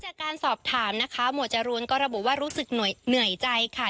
จากการสอบถามนะคะหมวดจรูนก็ระบุว่ารู้สึกเหนื่อยใจค่ะ